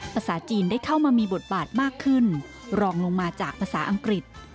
ภาษาจีนได้เข้ามามีบทบาทมากขึ้นรองลงมาจากภาษาอังกฤษ